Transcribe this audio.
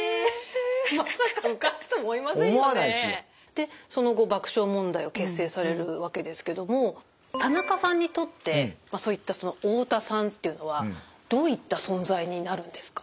でその後爆笑問題を結成されるわけですけども田中さんにとってその太田さんっていうのはどういった存在になるんですか？